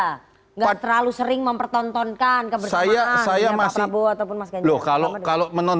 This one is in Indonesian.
tidak terlalu sering mempertontonkan kebersamaan dengan pak prabowo ataupun mas ganjar